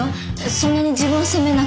そんなに自分を責めなくても。